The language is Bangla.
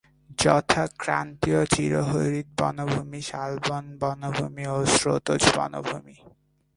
যথা: ক্রান্তীয় চিরহরিৎ বনভূমি, শালবন বনভূমি ও স্রোতজ বনভূমি।